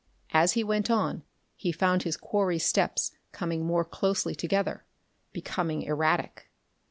As he went on he found his quarry's steps coming more closely together: becoming erratic.